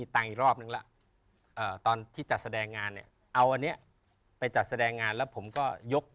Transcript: ที่จะตั้งงานเอากันเนี้ย